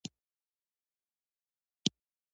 په قلم علم لیکل کېږي.